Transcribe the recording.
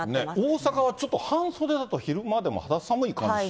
大阪はちょっと半袖だと、昼間でも肌寒い感じして。